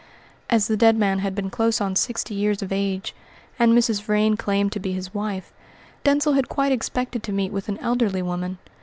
As the dead man had been close on sixty years of age, and Mrs. Vrain claimed to be his wife, Denzil had quite expected to meet with an elderly woman.